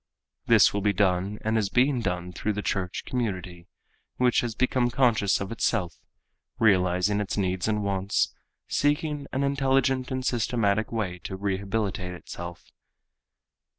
This will be done and is being done through the Church community which has become conscious of itself, realizing its needs and wants, seeking in an intelligent and systematic way to rehabilitate itself.